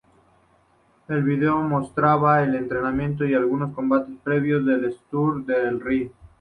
El vídeo mostraba el entrenamiento y algunos combates previos de Sturm en el "ring".